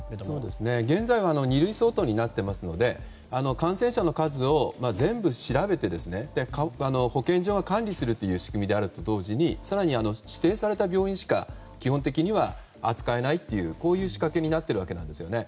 現在は二類相当になってますので感染者の数を全部調べて保健所が管理するという仕組みであると同時に更に指定された病院しか基本的には扱えないという仕掛けになっているわけなんですね。